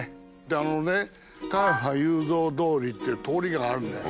あのね「雄三通り」っていう通りがあるんだよ。